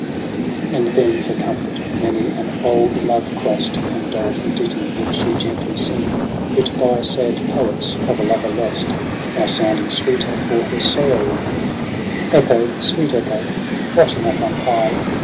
+ And then for comfort many an old love crost And doleful ditty would she gently sing, Writ by sad poets of a lover lost. Now sounding sweeter for her sorrowing : Echo^ siueet Echo^ 'watching uf on high.